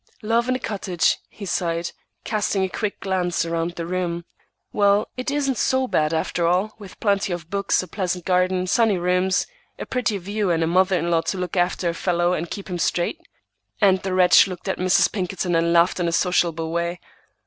"Love in a cottage," he sighed, casting a quick glance around the room,—"well, it isn't so bad after all, with plenty of books, a pleasant garden, sunny rooms, a pretty view, and a mother in law to look after a fellow and keep him straight." And the wretch looked at Mrs. Pinkerton, and laughed in a sociable way.